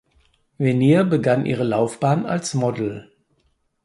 Venier begann ihre Laufbahn als Model.